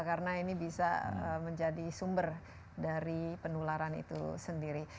karena ini bisa menjadi sumber dari penularan itu sendiri